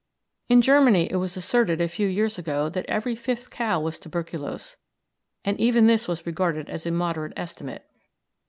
In Germany it was asserted a few years ago that every fifth cow was tuberculous, and even this was regarded as a moderate estimate.